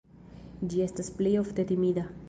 Ĝi estas plej ofte timida.